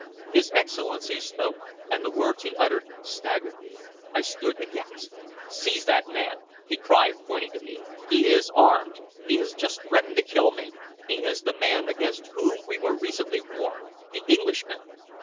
His Excellency spoke, and the words he uttered staggered me. I stood aghast. "Seize that man!" he cried, pointing to me. "He is armed! He has just threatened to kill me! He is the man against whom we were recently warned the Englishman!"